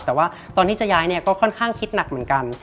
แต่ว่าตอนที่จะย้ายเนี่ยก็ค่อนข้างคิดหนักเหมือนกัน